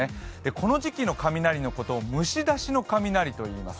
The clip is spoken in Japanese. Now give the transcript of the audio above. この時期の雷のことを虫出しの雷といいます。